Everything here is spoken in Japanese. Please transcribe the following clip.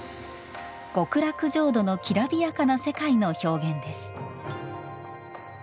極楽浄土のきらびやかな世界の表現です。